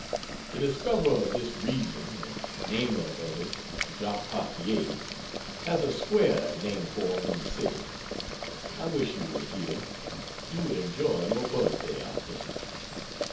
The discoverer of this region, and namer of it, Jacques Cartier, has a square named for him in the city. I wish you were here; you would enjoy your birthday, I think.